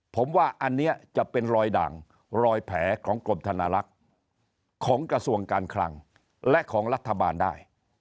ผมว่าอันนี้จะเป็นรอยด่างรอยแผลของกรมธนาลักษณ์ของกระทรวงการคลังและของรัฐบาลได้